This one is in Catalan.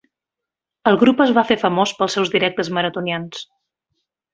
El grup es va fer famós pels seus directes maratonians.